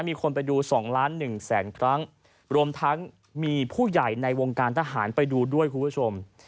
มีคนไปดู๒ล้านหนึ่งแสนครั้งรวมทั้งมีผู้ใหญ่ในวงการทหารไปดูด้วยคุณผู้ชม